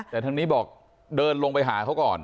แต่ทางนี้บอกเดินลงไปหาเขาก่อน